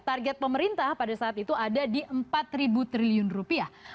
target pemerintah pada saat itu ada di empat triliun rupiah